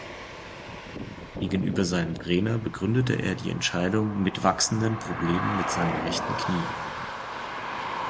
Gegenüber seinem Trainer begründete er die Entscheidung mit wachsenden Problemen mit seinem rechten Knie.